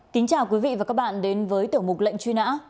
kính chào quý vị và các bạn đến với tiểu mục lệnh truy nã